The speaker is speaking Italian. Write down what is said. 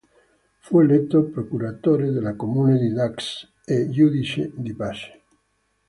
Fu eletto procuratore della Comune di Dax e giudice di Pace.